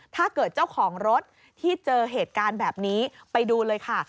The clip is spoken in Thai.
เจ้าของรถที่เจอเหตุการณ์แบบนี้ไปดูเลยค่ะ